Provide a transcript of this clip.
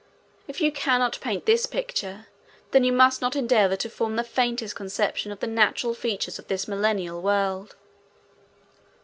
If you cannot paint this picture, then you must not endeavor to form the faintest conception of the natural features of this Millennial world.